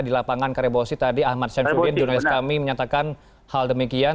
di lapangan karebosi tadi ahmad syamsuddin jurnalis kami menyatakan hal demikian